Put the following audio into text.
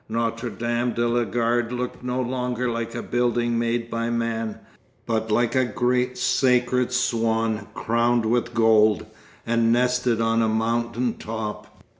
Notre Dame de la Garde looked no longer like a building made by man, but like a great sacred swan crowned with gold, and nested on a mountain top.